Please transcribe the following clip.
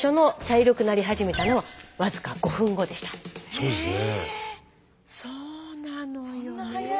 そうなのよね。